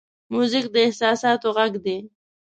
موزیک د احساساتو غږ دی.